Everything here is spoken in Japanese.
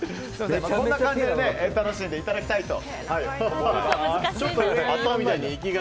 こんな感じで楽しんでいただきたいと。